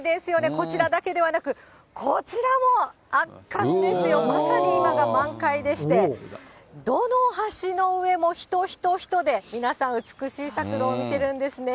こちらだけではなく、こちらも、圧巻ですよ、まさに今が満開でして、どの橋の上も人、人、人で、皆さん美しい桜を見てるんですね。